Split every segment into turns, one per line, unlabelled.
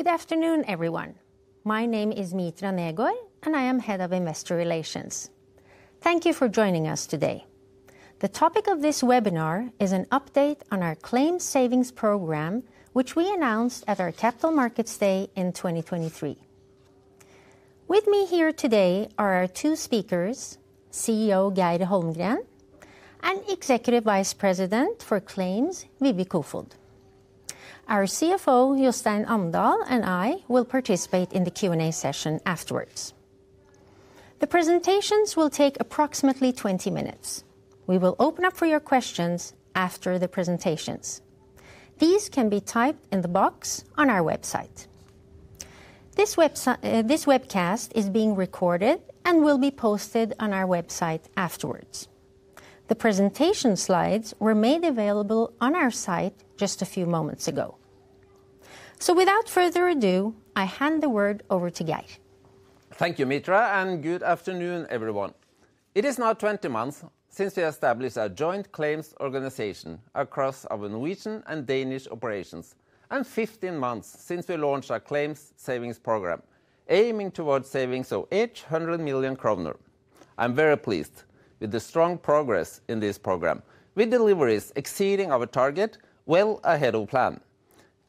Good afternoon, everyone. My name is Mitra Negård, and I am Head of Investor Relations. Thank you for joining us today. The topic of this webinar is an update on our Claims Savings Program, which we announced at our Capital Markets Day in 2023. With me here today are our two speakers, CEO Geir Holmgren and Executive Vice President for Claims Vivi Kofod. Our CFO, Jostein Amdal, and I will participate in the Q&A session afterwards. The presentations will take approximately 20 minutes. We will open up for your questions after the presentations. These can be typed in the box on our website. This webcast is being recorded and will be posted on our website afterwards. The presentation slides were made available on our site just a few moments ago. Without further ado, I hand the word over to Geir.
Thank you, Mitra, and good afternoon, everyone. It is now 20 months since we established a joint claims organization across our Norwegian and Danish operations, and 15 months since we launched our Claims Savings Program, aiming towards savings of 800 million kroner. I'm very pleased with the strong progress in this program, with deliveries exceeding our target well ahead of plan.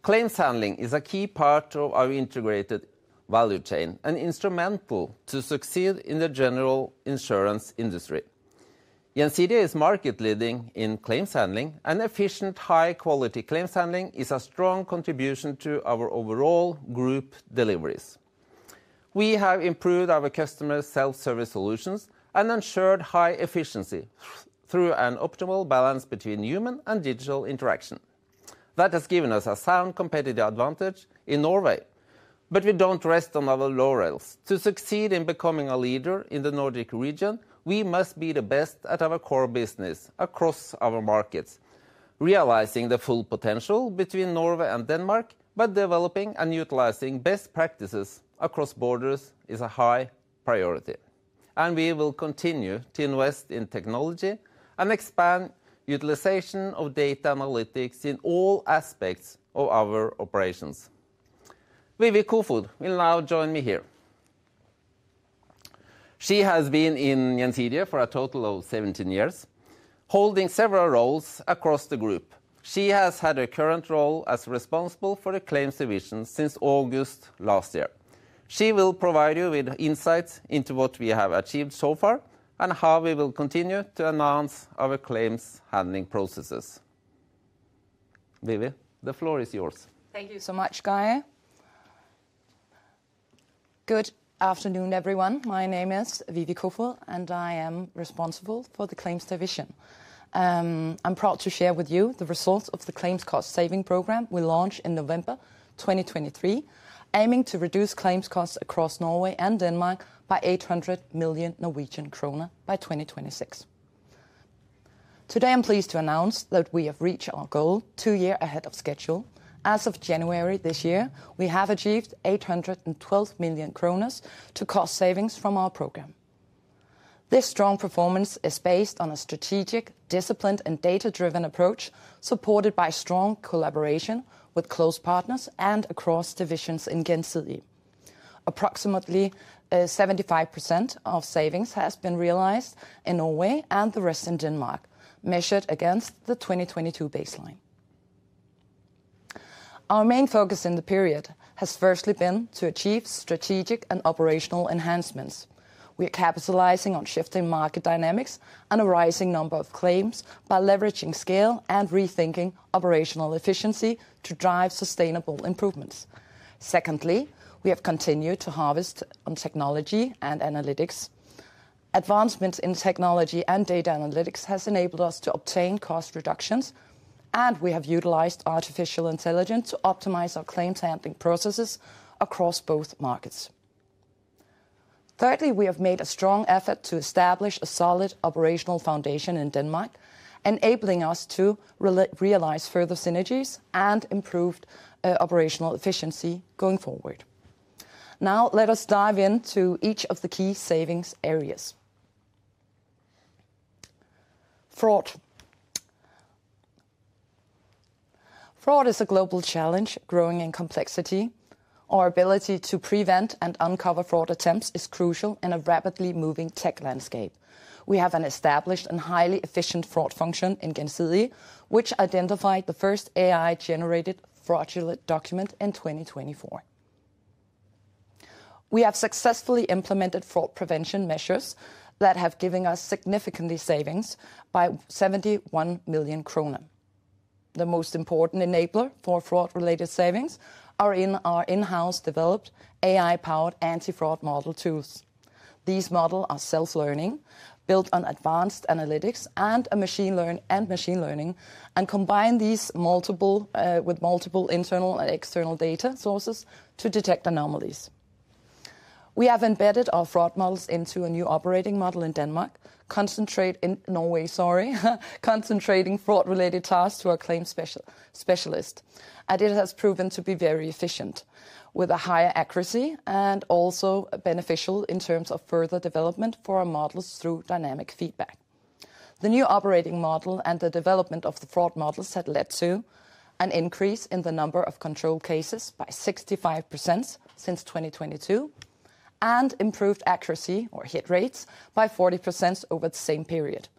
Claims handling is a key part of our integrated value chain and instrumental to succeed in the general insurance industry. Gjensidige is market-leading in claims handling, and efficient, high-quality claims handling is a strong contribution to our overall group deliveries. We have improved our customers' self-service solutions and ensured high efficiency through an optimal balance between human and digital interaction. That has given us a sound competitive advantage in Norway, but we don't rest on our laurels. To succeed in becoming a leader in the Nordic region, we must be the best at our core business across our markets. Realizing the full potential between Norway and Denmark, but developing and utilizing best practices across borders is a high priority, and we will continue to invest in technology and expand utilization of data analytics in all aspects of our operations. Vivi Kofod will now join me here. She has been in Gjensidige for a total of 17 years, holding several roles across the group. She has had her current role as responsible for the claims division since August last year. She will provide you with insights into what we have achieved so far and how we will continue to enhance our claims handling processes. Vivi, the floor is yours.
Thank you so much, Geir. Good afternoon, everyone. My name is Vivi Kofod, and I am responsible for the Claims division. I'm proud to share with you the results of the Claims Cost Saving Program we launched in November 2023, aiming to reduce claims costs across Norway and Denmark by 800 million Norwegian kroner by 2026. Today, I'm pleased to announce that we have reached our goal two years ahead of schedule. As of January this year, we have achieved 812 million kroner in cost savings from our program. This strong performance is based on a strategic, disciplined, and data-driven approach supported by strong collaboration with close partners and across divisions in Gjensidige. Approximately 75% of savings has been realized in Norway and the rest in Denmark, measured against the 2022 baseline. Our main focus in the period has firstly been to achieve strategic and operational enhancements. We are capitalizing on shifting market dynamics and a rising number of claims by leveraging scale and rethinking operational efficiency to drive sustainable improvements. Secondly, we have continued to harvest on technology and analytics. Advancements in technology and data analytics have enabled us to obtain cost reductions, and we have utilized artificial intelligence to optimize our claims handling processes across both markets. Thirdly, we have made a strong effort to establish a solid operational foundation in Denmark, enabling us to realize further synergies and improved operational efficiency going forward. Now, let us dive into each of the key savings areas. Fraud. Fraud is a global challenge growing in complexity. Our ability to prevent and uncover fraud attempts is crucial in a rapidly moving tech landscape. We have established a highly efficient fraud function in Gjensidige, which identified the first AI-generated fraudulent document in 2024. We have successfully implemented fraud prevention measures that have given us significant savings by 71 million kroner. The most important enabler for fraud-related savings is our in-house developed AI-powered anti-fraud model tools. These models are self-learning, built on advanced analytics and machine learning, and combine these with multiple internal and external data sources to detect anomalies. We have embedded our fraud models into a new operating model in Denmark, concentrating fraud-related tasks to our claims specialists, and it has proven to be very efficient, with a higher accuracy and also beneficial in terms of further development for our models through dynamic feedback. The new operating model and the development of the fraud models have led to an increase in the number of control cases by 65% since 2022 and improved accuracy or hit rates by 40% over the same period.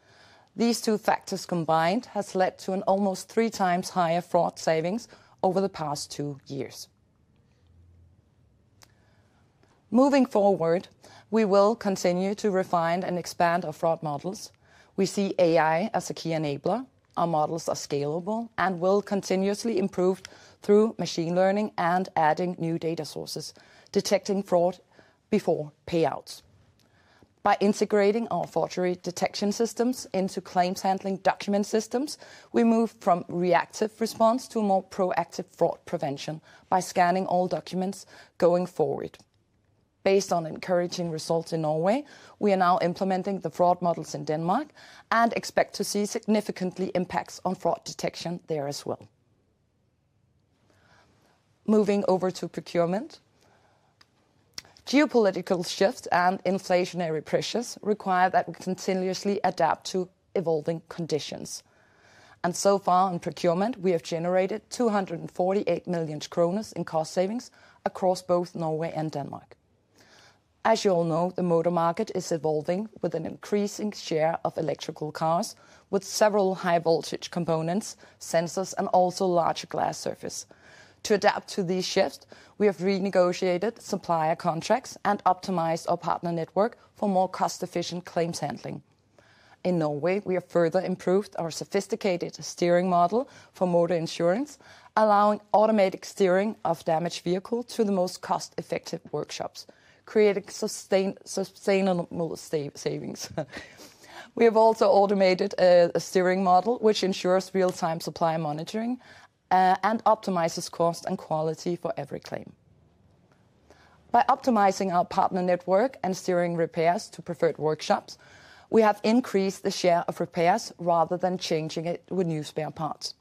These two factors combined have led to almost three times higher fraud savings over the past two years. Moving forward, we will continue to refine and expand our fraud models. We see AI as a key enabler. Our models are scalable and will continuously improve through machine learning and adding new data sources, detecting fraud before payouts. By integrating our forgery detection systems into claims handling document systems, we move from reactive response to more proactive fraud prevention by scanning all documents going forward. Based on encouraging results in Norway, we are now implementing the fraud models in Denmark and expect to see significant impacts on fraud detection there as well. Moving over to procurement. Geopolitical shifts and inflationary pressures require that we continuously adapt to evolving conditions. In procurement, we have generated 248 million kroner in cost savings across both Norway and Denmark. As you all know, the motor market is evolving with an increasing share of electrical cars, with several high-voltage components, sensors, and also larger glass surfaces. To adapt to these shifts, we have renegotiated supplier contracts and optimized our partner network for more cost-efficient claims handling. In Norway, we have further improved our sophisticated steering model for motor insurance, allowing automatic steering of damaged vehicles to the most cost-effective workshops, creating sustainable savings. We have also automated a steering model, which ensures real-time supply monitoring and optimizes cost and quality for every claim. By optimizing our partner network and steering repairs to preferred workshops, we have increased the share of repairs rather than changing it with new spare parts.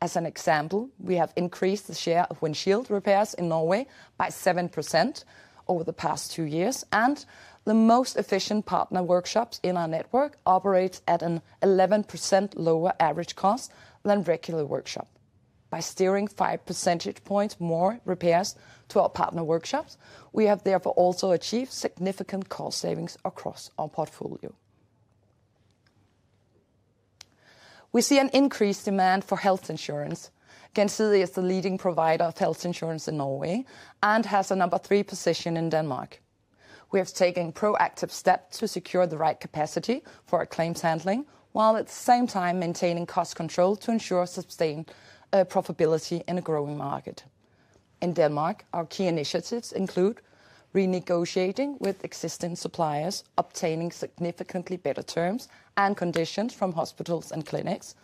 As an example, we have increased the share of windshield repairs in Norway by 7% over the past two years, and the most efficient partner workshops in our network operate at an 11% lower average cost than regular workshops. By steering 5 percentage points more repairs to our partner workshops, we have therefore also achieved significant cost savings across our portfolio. We see an increased demand for health insurance. Gjensidige is the leading provider of health insurance in Norway and has a number three position in Denmark. We have taken proactive steps to secure the right capacity for our claims handling, while at the same time maintaining cost control to ensure sustained profitability in a growing market. In Denmark, our key initiatives include renegotiating with existing suppliers, obtaining significantly better terms and conditions from hospitals and clinics,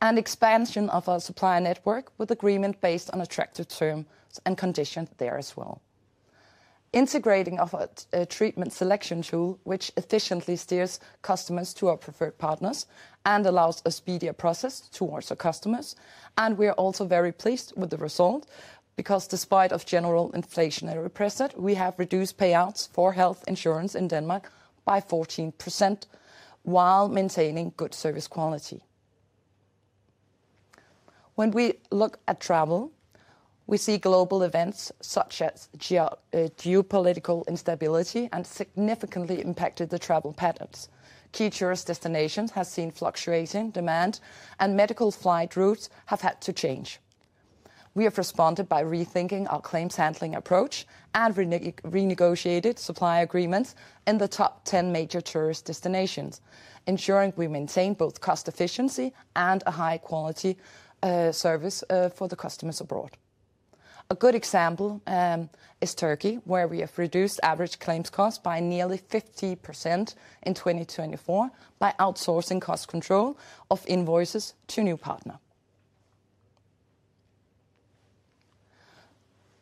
and expansion of our supplier network with agreements based on attractive terms and conditions there as well. Integrating our treatment selection tool, which efficiently steers customers to our preferred partners and allows a speedier process towards our customers. We are also very pleased with the result because, despite general inflationary pressure, we have reduced payouts for health insurance in Denmark by 14% while maintaining good service quality. When we look at travel, we see global events such as geopolitical instability have significantly impacted the travel patterns. Key tourist destinations have seen fluctuating demand, and medical flight routes have had to change. We have responded by rethinking our claims handling approach and renegotiated supplier agreements in the top 10 major tourist destinations, ensuring we maintain both cost efficiency and a high-quality service for the customers abroad. A good example is Turkey, where we have reduced average claims costs by nearly 50% in 2024 by outsourcing cost control of invoices to a new partner.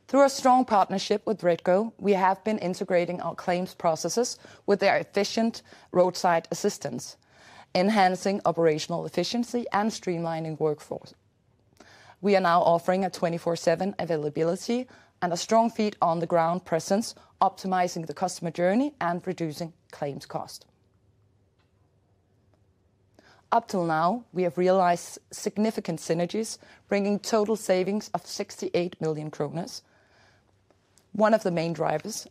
Through our strong partnership with REDGO, we have been integrating our claims processes with their efficient roadside assistance, enhancing operational efficiency and streamlining workflows. We are now offering a 24/7 availability and a strong feet-on-the-ground presence, optimizing the customer journey and reducing claims cost. Up till now, we have realized significant synergies, bringing total savings of 68 million kroner. One of the main drivers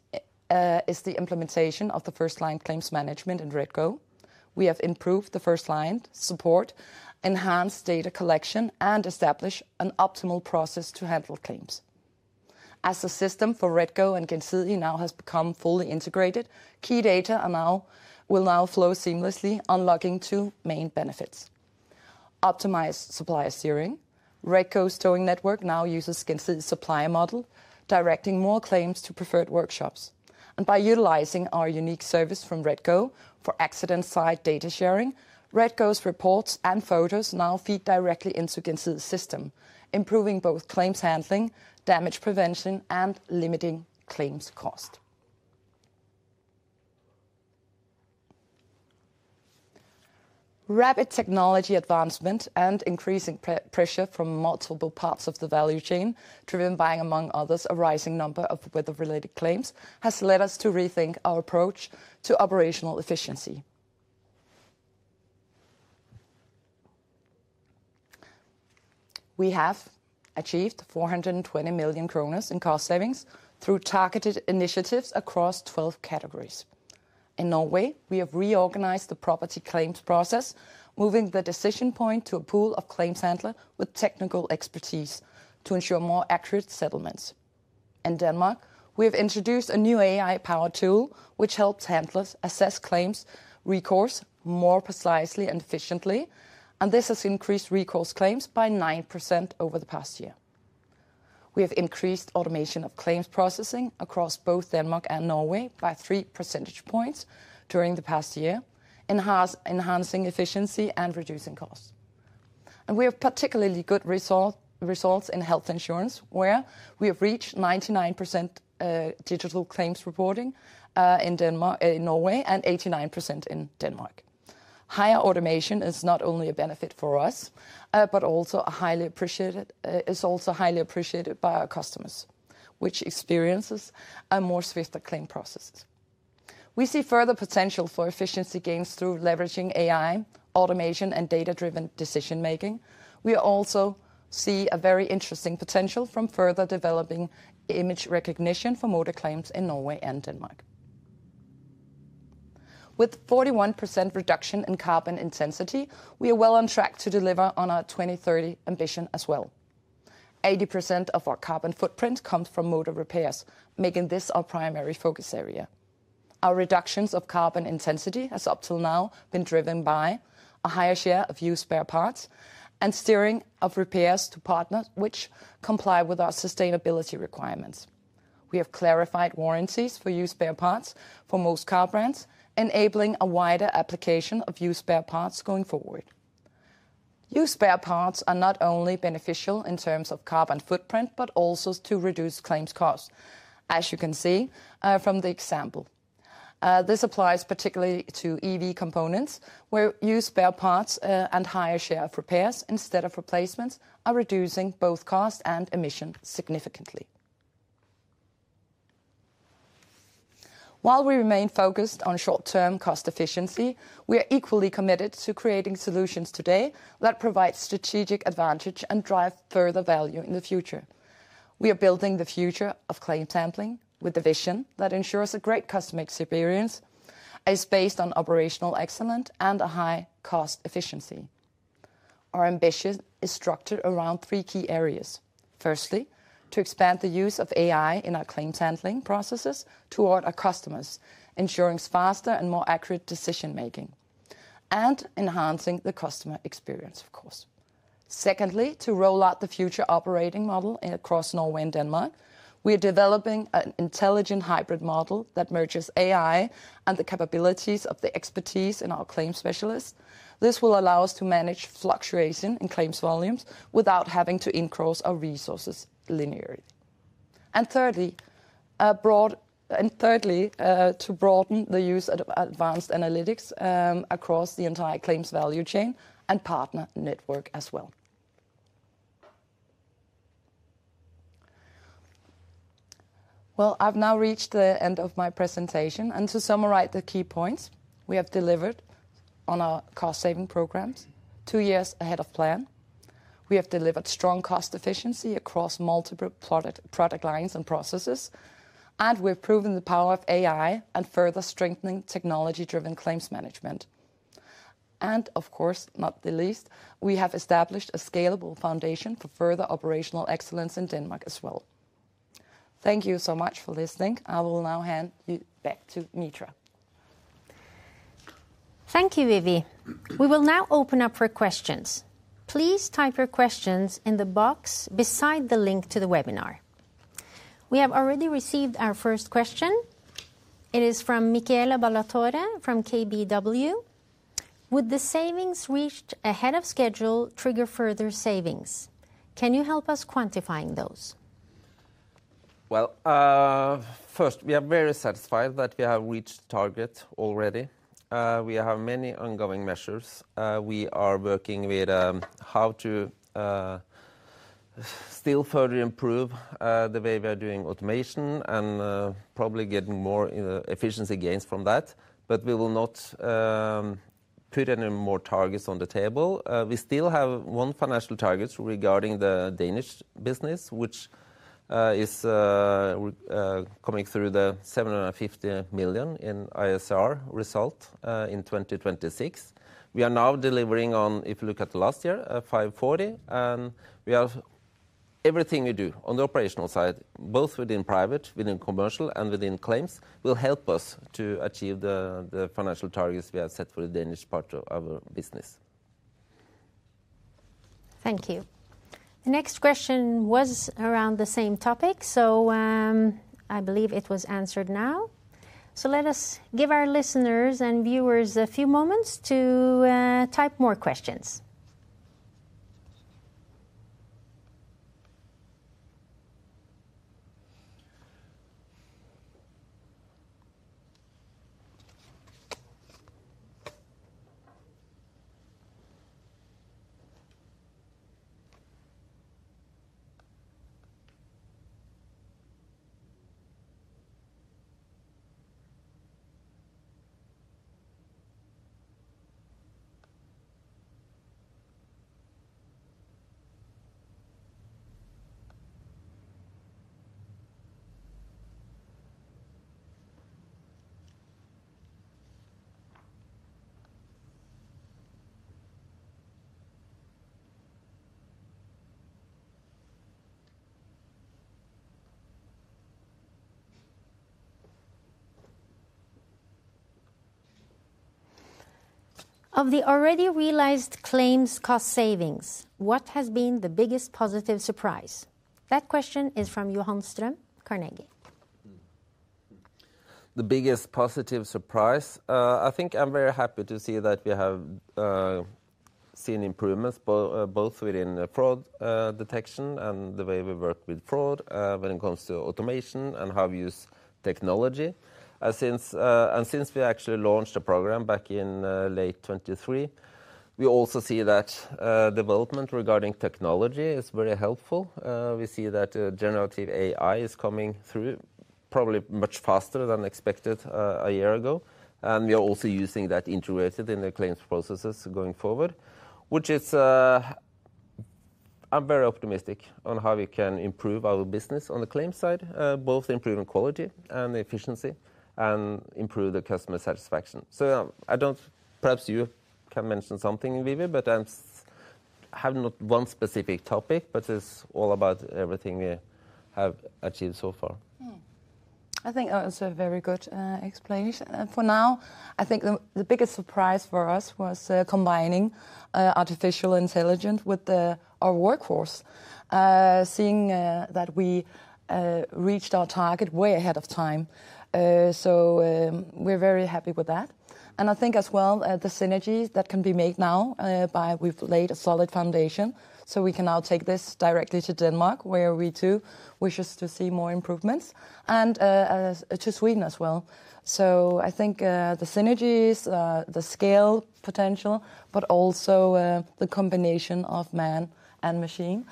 is the implementation of the first-line claims management in REDGO. We have improved the first-line support, enhanced data collection, and established an optimal process to handle claims. As the system for RedGo and Gjensidige now has become fully integrated, key data will now flow seamlessly, unlocking two main benefits: optimized supplier steering. RedGo's towing network now uses Gjensidige's supplier model, directing more claims to preferred workshops. By utilizing our unique service from RedGo for accident-side data sharing, RedGo's reports and photos now feed directly into Gjensidige's system, improving both claims handling, damage prevention, and limiting claims cost. Rapid technology advancement and increasing pressure from multiple parts of the value chain, driven by, among others, a rising number of weather-related claims, has led us to rethink our approach to operational efficiency. We have achieved 420 million kroner in cost savings through targeted initiatives across 12 categories. In Norway, we have reorganized the property claims process, moving the decision point to a pool of claims handlers with technical expertise to ensure more accurate settlements. In Denmark, we have introduced a new AI-powered tool, which helps handlers assess claims recourse more precisely and efficiently, and this has increased recourse claims by 9% over the past year. We have increased automation of claims processing across both Denmark and Norway by 3 percentage points during the past year, enhancing efficiency and reducing costs. We have particularly good results in health insurance, where we have reached 99% digital claims reporting in Norway and 89% in Denmark. Higher automation is not only a benefit for us, but also is also highly appreciated by our customers, which experience a more swift claim process. We see further potential for efficiency gains through leveraging AI, automation, and data-driven decision-making. We also see a very interesting potential from further developing image recognition for motor claims in Norway and Denmark. With a 41% reduction in carbon intensity, we are well on track to deliver on our 2030 ambition as well. 80% of our carbon footprint comes from motor repairs, making this our primary focus area. Our reductions of carbon intensity have up till now been driven by a higher share of used spare parts and steering of repairs to partners which comply with our sustainability requirements. We have clarified warranties for used spare parts for most car brands, enabling a wider application of used spare parts going forward. Used spare parts are not only beneficial in terms of carbon footprint, but also to reduce claims costs, as you can see from the example. This applies particularly to EV components, where used spare parts and a higher share of repairs instead of replacements are reducing both cost and emission significantly. While we remain focused on short-term cost efficiency, we are equally committed to creating solutions today that provide strategic advantage and drive further value in the future. We are building the future of claims handling with a vision that ensures a great customer experience based on operational excellence and a high cost efficiency. Our ambition is structured around three key areas. Firstly, to expand the use of AI in our claims handling processes toward our customers, ensuring faster and more accurate decision-making and enhancing the customer experience, of course. Secondly, to roll out the future operating model across Norway and Denmark. We are developing an intelligent hybrid model that merges AI and the capabilities of the expertise in our claims specialists. This will allow us to manage fluctuation in claims volumes without having to encroach our resources linearly. Thirdly, to broaden the use of advanced analytics across the entire claims value chain and partner network as well. I have now reached the end of my presentation. To summarize the key points, we have delivered on our cost-saving programs two years ahead of plan. We have delivered strong cost efficiency across multiple product lines and processes, and we have proven the power of AI and further strengthening technology-driven claims management. Of course, not the least, we have established a scalable foundation for further operational excellence in Denmark as well. Thank you so much for listening. I will now hand you back to Mitra.
Thank you, Vivi. We will now open up for questions. Please type your questions in the box beside the link to the webinar. We have already received our first question. It is from Michele Ballatore from KBW. Would the savings reached ahead of schedule trigger further savings? Can you help us quantifying those?
First, we are very satisfied that we have reached the target already. We have many ongoing measures. We are working with how to still further improve the way we are doing automation and probably getting more efficiency gains from that, but we will not put any more targets on the table. We still have one financial target regarding the Danish business, which is coming through the 750 million in ISR result in 2026. We are now delivering on, if you look at last year, 540, and we have everything we do on the operational side, both within private, within commercial, and within claims, will help us to achieve the financial targets we have set for the Danish part of our business.
Thank you. The next question was around the same topic, so I believe it was answered now. Let us give our listeners and viewers a few moments to type more questions. Of the already realized claims cost savings, what has been the biggest positive surprise? That question is from Johan Strøm Carnegie.
The biggest positive surprise, I think I'm very happy to see that we have seen improvements both within fraud detection and the way we work with fraud when it comes to automation and how we use technology. Since we actually launched a program back in late 2023, we also see that development regarding technology is very helpful. We see that generative AI is coming through probably much faster than expected a year ago. We are also using that integrated in the claims processes going forward, which is, I am very optimistic on how we can improve our business on the claims side, both improving quality and efficiency and improving the customer satisfaction. I do not, perhaps you can mention something, Vivi, but I have not one specific topic, but it is all about everything we have achieved so far.
I think that was a very good explanation. For now, I think the biggest surprise for us was combining artificial intelligence with our workforce, seeing that we reached our target way ahead of time. We are very happy with that. I think as well the synergy that can be made now by we've laid a solid foundation, so we can now take this directly to Denmark, where we too wish us to see more improvements and to Sweden as well. I think the synergies, the scale potential, but also the combination of man and machine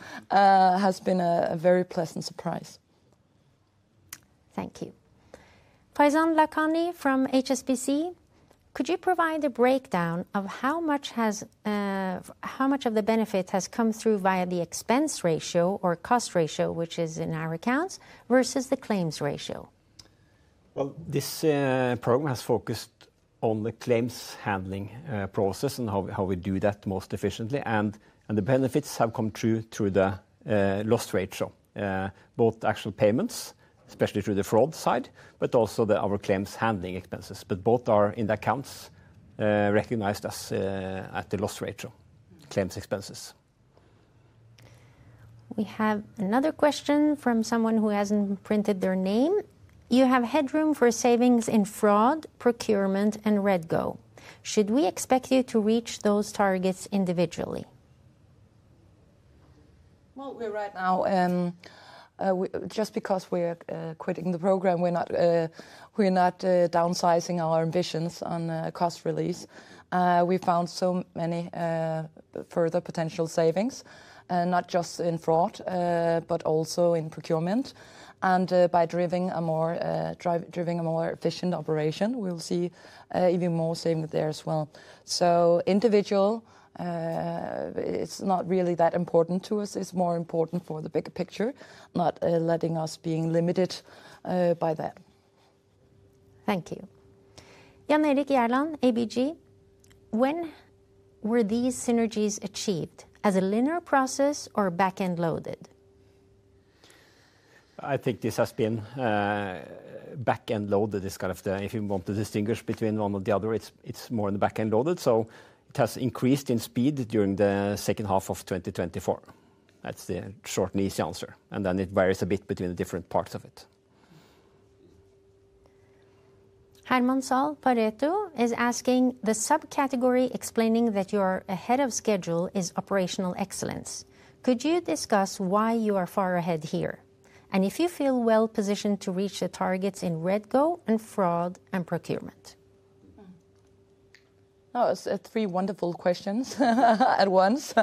has been a very pleasant surprise. Thank you.
Faizan Lakhani from HSBC, could you provide a breakdown of how much of the benefit has come through via the expense ratio or cost ratio, which is in our accounts, versus the claims ratio?
This program has focused on the claims handling process and how we do that most efficiently. The benefits have come true through the loss ratio, both actual payments, especially through the fraud side, but also our claims handling expenses. Both are in the accounts recognized as at the loss ratio, claims expenses.
We have another question from someone who has not printed their name. You have headroom for savings in fraud, procurement, and RedGo. Should we expect you to reach those targets individually?
We are right now, just because we are quitting the program, we are not downsizing our ambitions on cost release. We found so many further potential savings, not just in fraud, but also in procurement. By driving a more efficient operation, we will see even more savings there as well. Individual, it is not really that important to us. It is more important for the bigger picture, not letting us be limited by that.
Thank you. Jan Erik Gjerland, ABG, when were these synergies achieved, as a linear process or back-end loaded?
I think this has been back-end loaded. It's kind of the if you want to distinguish between one or the other, it's more in the back-end loaded. It has increased in speed during the second half of 2024. That's the short and easy answer. It varies a bit between the different parts of it.
Herman Zahl Pareto is asking the subcategory explaining that you're ahead of schedule is operational excellence. Could you discuss why you are far ahead here and if you feel well positioned to reach the targets in RedGo and fraud and procurement?
No, it's three wonderful questions at once.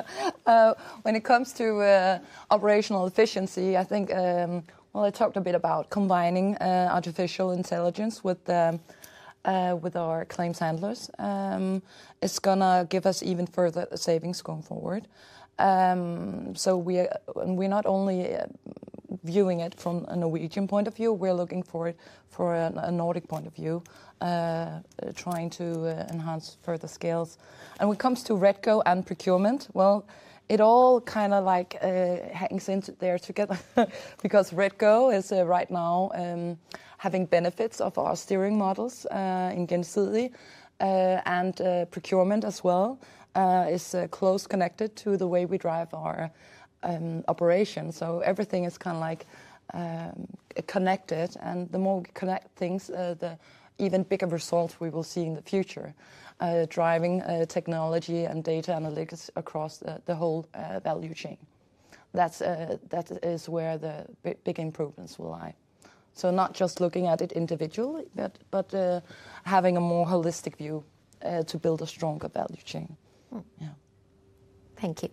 When it comes to operational efficiency, I think, I talked a bit about combining artificial intelligence with our claims handlers. It's going to give us even further savings going forward. We're not only viewing it from a Norwegian point of view, we're looking for it from a Nordic point of view, trying to enhance further scales. When it comes to RedGo and procurement, it all kind of like hangs in there together because RedGo is right now having benefits of our steering models in Gjensidige. Procurement as well is closely connected to the way we drive our operation. Everything is kind of like connected. The more we connect things, the even bigger results we will see in the future, driving technology and data analytics across the whole value chain. That is where the big improvements will lie. Not just looking at it individually, but having a more holistic view to build a stronger value chain. Yeah.
Thank you.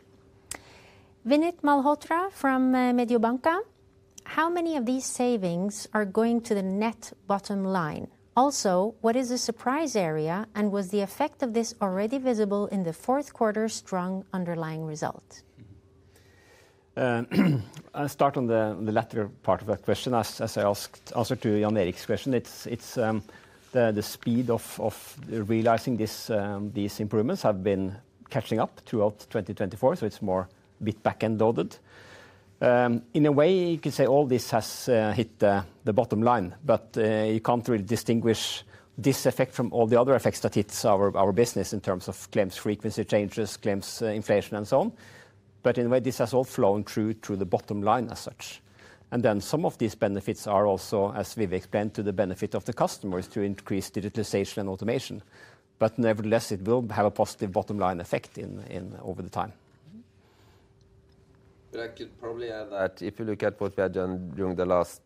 Vinit Malhotra from Mediobanca, how many of these savings are going to the net bottom line? Also, what is the surprise area and was the effect of this already visible in the fourth quarter strong underlying result?
I'll start on the later part of that question. As I answered to Jan Erik's question, it's the speed of realizing these improvements have been catching up throughout 2024, so it's more a bit back-end loaded. In a way, you could say all this has hit the bottom line, but you can't really distinguish this effect from all the other effects that hit our business in terms of claims frequency changes, claims inflation, and so on. In a way, this has all flown through to the bottom line as such. Some of these benefits are also, as we've explained, to the benefit of the customers to increase digitalization and automation. Nevertheless, it will have a positive bottom line effect over the time.
I could probably add that if you look at what we have done during the last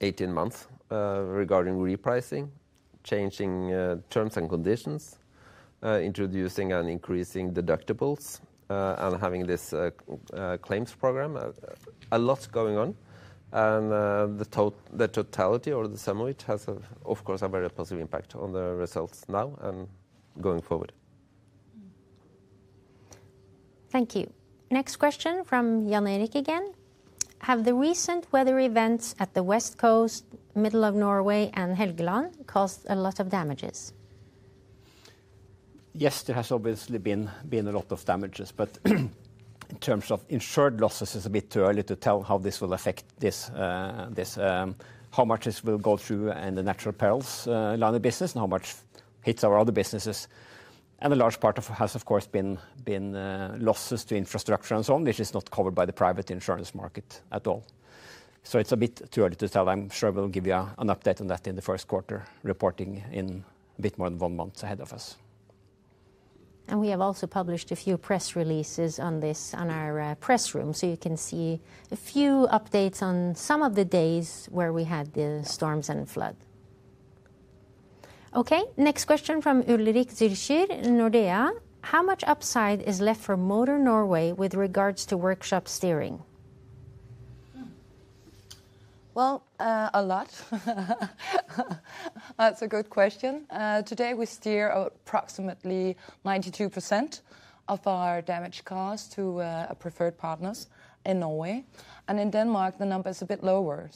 18 months regarding repricing, changing terms and conditions, introducing and increasing deductibles, and having this claims program, a lot going on. The totality or the sum of it has, of course, a very positive impact on the results now and going forward. Thank you.
Next question from Janne Erik again. Have the recent weather events at the West Coast, middle of Norway, and Helgeland caused a lot of damages?
Yes, there has obviously been a lot of damages, but in terms of insured losses, it is a bit too early to tell how this will affect this, how much this will go through in the natural perils line of business and how much hits our other businesses. A large part of it has, of course, been losses to infrastructure and so on, which is not covered by the private insurance market at all. It is a bit too early to tell. I'm sure we'll give you an update on that in the first quarter reporting in a bit more than one month ahead of us.
We have also published a few press releases on this in our press room, so you can see a few updates on some of the days where we had the storms and flood.
Next question from Ulrik Årdal Zürcher, Nordea. How much upside is left for Motor Norway with regards to workshop steering?
A lot. That is a good question. Today, we steer approximately 92% of our damage cars to preferred partners in Norway. In Denmark, the number is a bit lower.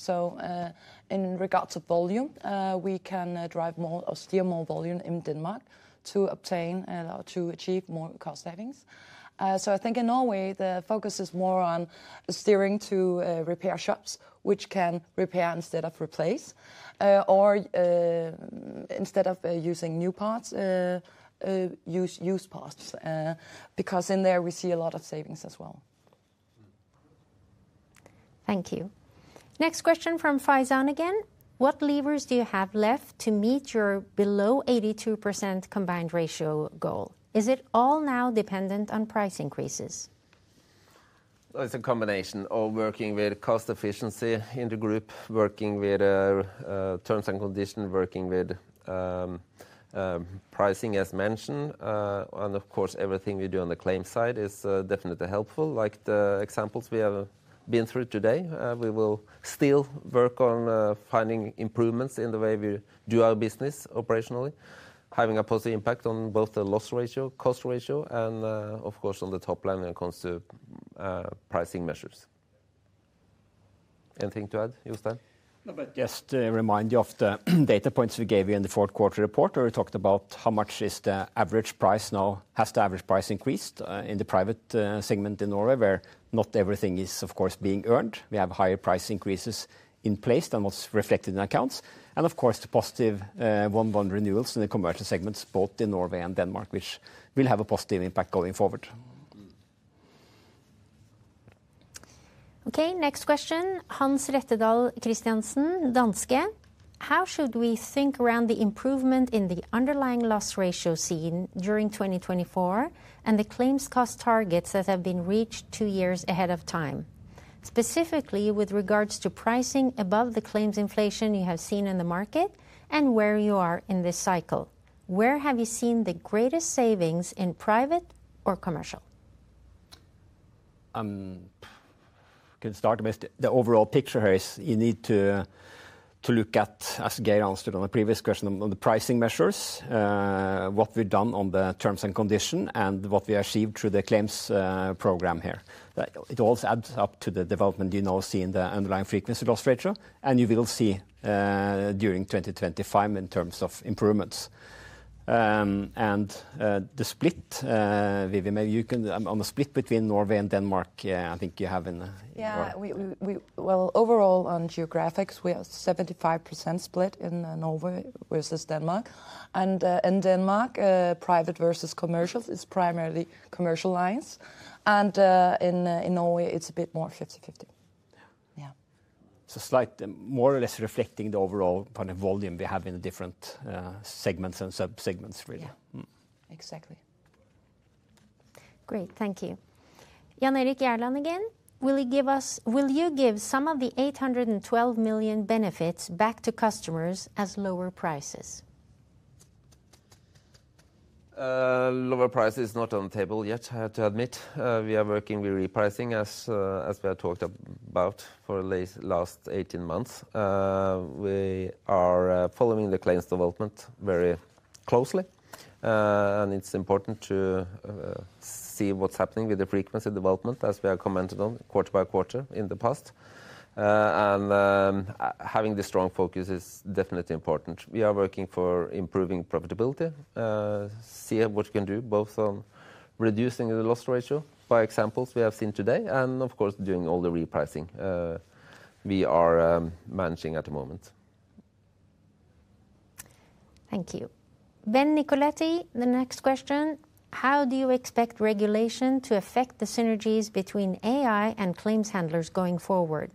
In regards to volume, we can drive more or steer more volume in Denmark to obtain or to achieve more cost savings. I think in Norway, the focus is more on steering to repair shops, which can repair instead of replace or instead of using new parts, used parts, because in there we see a lot of savings as well.
Thank you. Next question from Faisal again. What levers do you have left to meet your below 82% combined ratio goal? Is it all now dependent on price increases?
It's a combination of working with cost efficiency in the group, working with terms and conditions, working with pricing as mentioned. Of course, everything we do on the claim side is definitely helpful, like the examples we have been through today. We will still work on finding improvements in the way we do our business operationally, having a positive impact on both the loss ratio, cost ratio, and of course, on the top line when it comes to pricing measures. Anything to add, Jostein?
No, but just to remind you of the data points we gave you in the fourth quarter report, where we talked about how much is the average price now, has the average price increased in the private segment in Norway, where not everything is, of course, being earned. We have higher price increases in place than what's reflected in accounts. Of course, the positive one-to-one renewals in the commercial segments, both in Norway and Denmark, which will have a positive impact going forward.
Okay, next question, Hans Rettedal Christiansen, Danske. How should we think around the improvement in the underlying loss ratio seen during 2024 and the claims cost targets that have been reached two years ahead of time, specifically with regards to pricing above the claims inflation you have seen in the market and where you are in this cycle? Where have you seen the greatest savings in private or commercial?
I can start with the overall picture here. You need to look at, as Geir answered on the previous question, on the pricing measures, what we've done on the terms and conditions and what we achieved through the claims program here. It all adds up to the development you now see in the underlying frequency loss ratio, and you will see during 2025 in terms of improvements. And the split, maybe you can on the split between Norway and Denmark, I think you have in.
Yeah, overall on geographics, we have a 75% split in Norway versus Denmark. In Denmark, private versus commercial is primarily commercial lines. In Norway, it is a bit more 50-50. Yeah. Slightly more or less reflecting the overall kind of volume we have in the different segments and subsegments, really. Yeah, exactly.
Great, thank you. Jan Erik Gjerland again, will you give some of the 812 million benefits back to customers as lower prices?
Lower price is not on the table yet, I have to admit. We are working with repricing, as we have talked about for the last 18 months. We are following the claims development very closely. It is important to see what is happening with the frequency development, as we have commented on quarter by quarter in the past. Having this strong focus is definitely important. We are working for improving profitability, seeing what we can do both on reducing the loss ratio by examples we have seen today and, of course, doing all the repricing we are managing at the moment.
Thank you. Benoit Valleaux, the next question, how do you expect regulation to affect the synergies between AI and claims handlers going forward?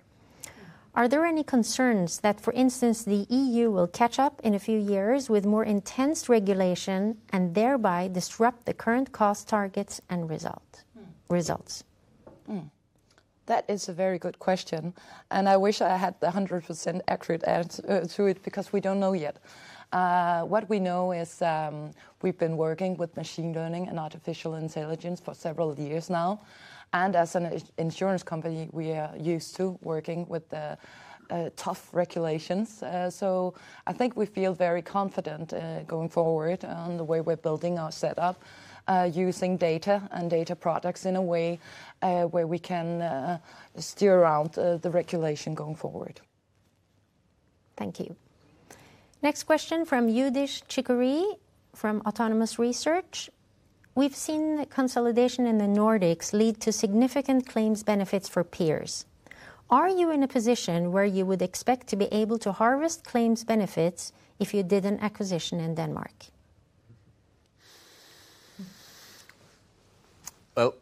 Are there any concerns that, for instance, the EU will catch up in a few years with more intense regulation and thereby disrupt the current cost targets and results?
That is a very good question. I wish I had the 100% accurate answer to it because we don't know yet. What we know is we've been working with machine learning and artificial intelligence for several years now. As an insurance company, we are used to working with tough regulations. I think we feel very confident going forward on the way we're building our setup, using data and data products in a way where we can steer around the regulation going forward. Thank you.
Next question from Youdish Chicooree from Autonomous Research. We've seen consolidation in the Nordics lead to significant claims benefits for peers. Are you in a position where you would expect to be able to harvest claims benefits if you did an acquisition in Denmark?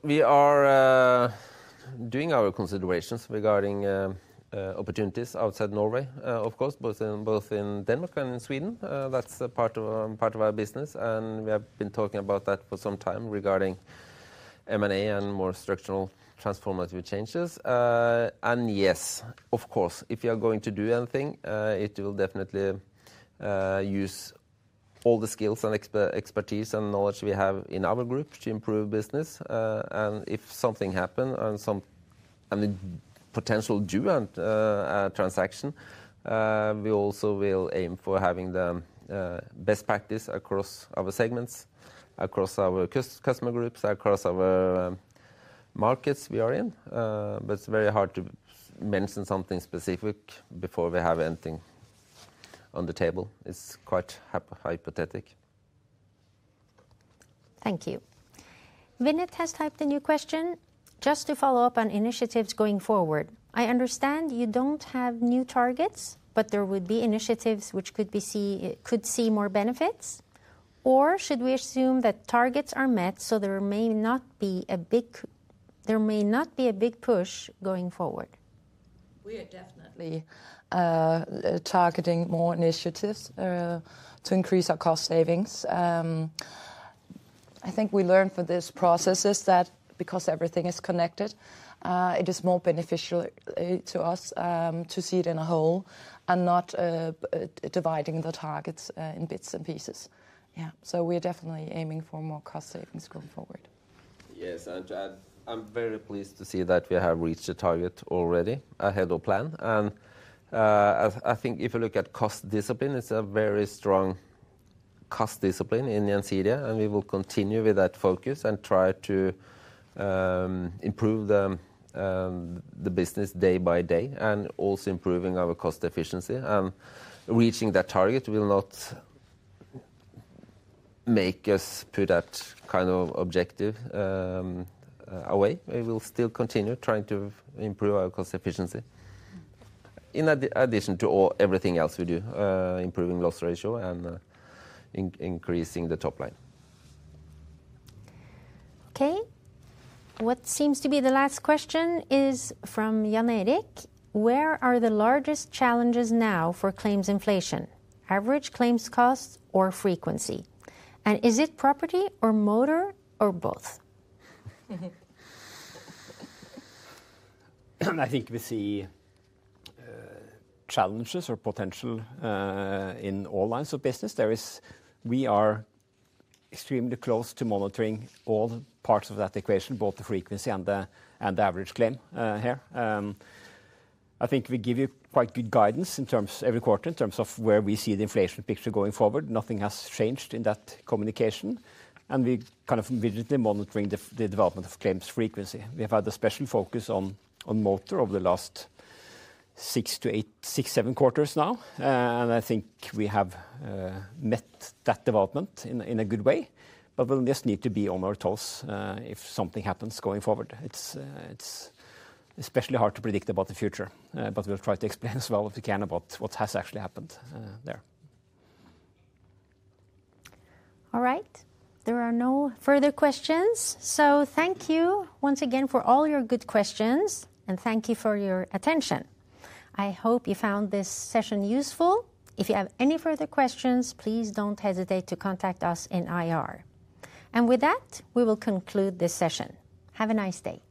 We are doing our considerations regarding opportunities outside Norway, of course, both in Denmark and in Sweden. That's part of our business. We have been talking about that for some time regarding M&A and more structural transformative changes. Yes, of course, if you are going to do anything, it will definitely use all the skills and expertise and knowledge we have in our group to improve business. If something happens and a potential due transaction, we also will aim for having the best practice across our segments, across our customer groups, across our markets we are in. It is very hard to mention something specific before we have anything on the table. It is quite hypothetic.
Thank you. Vinit has typed a new question. Just to follow up on initiatives going forward, I understand you do not have new targets, but there would be initiatives which could see more benefits. Or should we assume that targets are met so there may not be a big push going forward?
We are definitely targeting more initiatives to increase our cost savings. I think what we learned from this process is that because everything is connected, it is more beneficial to us to see it in a whole and not dividing the targets in bits and pieces. Yeah, so we are definitely aiming for more cost savings going forward.
Yes, and I'm very pleased to see that we have reached a target already ahead of plan. I think if you look at cost discipline, it's a very strong cost discipline in Gjensidige. We will continue with that focus and try to improve the business day by day and also improving our cost efficiency. Reaching that target will not make us put that kind of objective away. We will still continue trying to improve our cost efficiency, in addition to everything else we do, improving loss ratio and increasing the top line.
Okay, what seems to be the last question is from Janne Erik. Where are the largest challenges now for claims inflation, average claims costs or frequency? And is it property or motor or both?
I think we see challenges or potential in all lines of business. We are extremely close to monitoring all parts of that equation, both the frequency and the average claim here. I think we give you quite good guidance in terms of every quarter in terms of where we see the inflation picture going forward. Nothing has changed in that communication. We are kind of vigilantly monitoring the development of claims frequency. We have had a special focus on motor over the last six to eight, six, seven quarters now. I think we have met that development in a good way. We will just need to be on our toes if something happens going forward. It is especially hard to predict about the future. We will try to explain as well as we can about what has actually happened there.
All right, there are no further questions. Thank you once again for all your good questions. Thank you for your attention. I hope you found this session useful. If you have any further questions, please do not hesitate to contact us in IR. With that, we will conclude this session. Have a nice day.